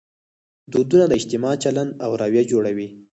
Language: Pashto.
دودونه د اجتماع چلند او رویه جوړوي.